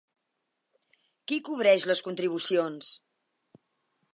Qui cobreix les contribucions?